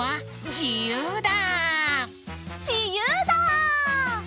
じゆうだ！